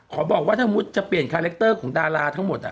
บอกว่าถ้ามุติจะเปลี่ยนคาแรคเตอร์ของดาราทั้งหมด